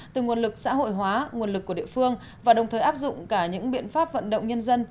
từ nguồn lực xã hội hóa nguồn lực của địa phương và đồng thời áp dụng cả những biện pháp vận động nhân dân